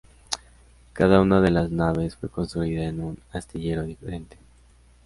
Cada una de las naves fue construida en un astillero diferente.